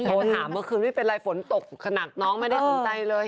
โทรถามเมื่อคืนไม่เป็นไรฝนตกขนาดน้องไม่ได้สนใจเลย